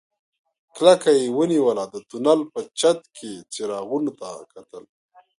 کلکه يې ونيوله د تونل په چت کې څراغونو ته کتل.